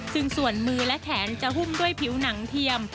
ซึ่งส่วนมือและแขนจะหุ้มด้วยผิวหนังเทียม